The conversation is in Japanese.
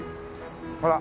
ほら。